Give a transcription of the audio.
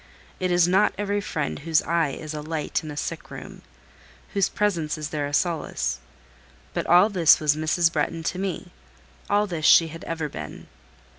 It is not every friend whose eye is a light in a sick room, whose presence is there a solace: but all this was Mrs. Bretton to me; all this she had ever been.